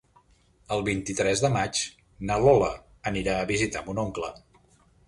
El vint-i-tres de maig na Lola anirà a visitar mon oncle.